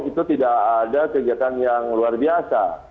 itu tidak ada kegiatan yang luar biasa